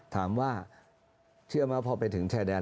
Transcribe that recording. ถามว่าเชื่อไหมพอไปถึงชายแดน